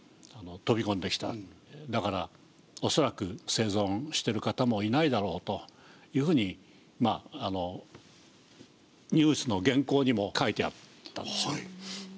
だから恐らく生存している方もいないだろうというふうにニュースの原稿にも書いてあったんですね。